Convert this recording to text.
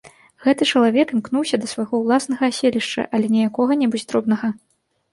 Гэты чалавек імкнуўся да свайго ўласнага аселішча, але не якога-небудзь дробнага.